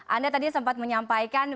anda tadi sempat menyampaikan